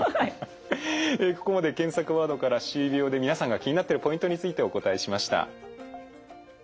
ここまで検索ワードから歯周病で皆さんが気になってるポイントについてお答えしました。